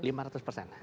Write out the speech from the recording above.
lima ratus persen